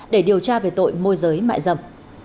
để điều tra về tội môi giới mại rầm